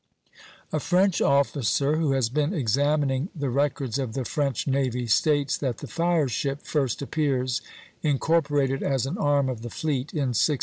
A French officer, who has been examining the records of the French navy, states that the fire ship first appears, incorporated as an arm of the fleet, in 1636.